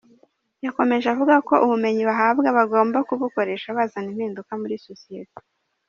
Yakomeje avuga ko ubumenyi bahawe bagomba kubukoresha bazana impinduka muri sosiyete.